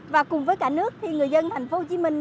và cùng với cả nước thì người dân thành phố hồ chí minh